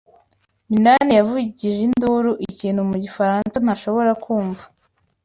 Minani yavugije induru ikintu mu gifaransa ntashobora kumva.